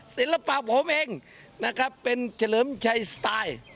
ศิลปะผมเองเป็นเจริมชัยสไตล์